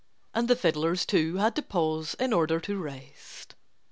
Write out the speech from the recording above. And the fiddlers, too, had to pause in order to rest.